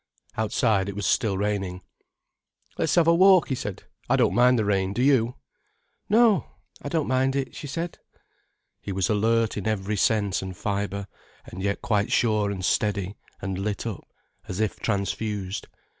Outside it was still raining. "Let's have a walk," he said. "I don't mind the rain, do you?" "No, I don't mind it," she said. He was alert in every sense and fibre, and yet quite sure and steady, and lit up, as if transfused.